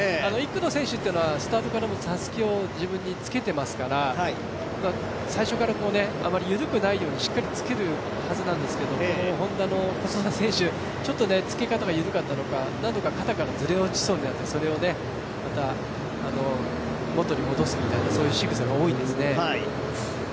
１区の選手はスタートからたすきを自分でつけていますから、最初からあまり緩くないようにしっかりつけるはずなんですけれども、Ｈｏｎｄａの小袖選手、ちょっとつけ方が緩かったのか、何度か肩からずれ落ちそうになってそれをまた元に戻すみたいなしぐさが多いですね。